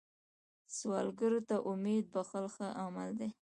سوالګر ته امید بښل ښه عمل دی